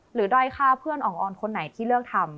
หรือดอยค่าเพื่อนของอ้อนคนไหนที่เลือกทำ